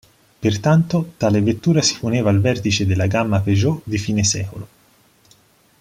Pertanto tale vettura si poneva al vertice della gamma Peugeot di fine secolo.